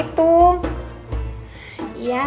itu berapa jumlahnya